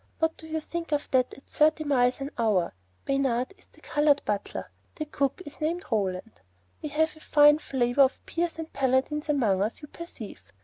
What do you think of that at thirty miles an hour? Bayard is the colored butler. The cook is named Roland. We have a fine flavor of peers and paladins among us, you perceive.